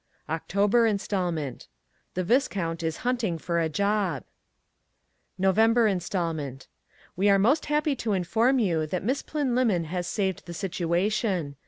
OCTOBER INSTALMENT The Viscount is hunting for a job. NOVEMBER INSTALMENT We are most happy to inform you that Miss Plynlimmon has saved the situation.